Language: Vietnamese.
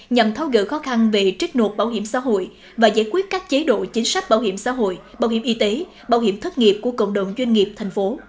nhằm tháo gỡ khó khăn về trích nột bảo hiểm xã hội và giải quyết các chế độ chính sách bảo hiểm xã hội bảo hiểm y tế bảo hiểm thất nghiệp của cộng đồng doanh nghiệp thành phố